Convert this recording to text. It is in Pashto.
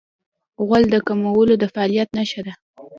غول د کولمو د فعالیت نښه ده.